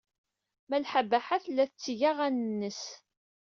Malḥa Baḥa tella tetteg aɣan-nnes.